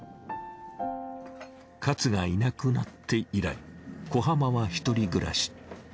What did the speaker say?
かつがいなくなって以来小浜は独り暮らし。